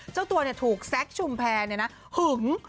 เจ้าตัวเนี่ยถูกแซคโชมแพแนเนี่ยนะ